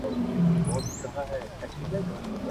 o در جارېږم پکښي اوسه زما دي زړه جنت جنت کړ,